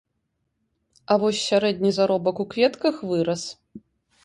А вось сярэдні заробак у кветках вырас.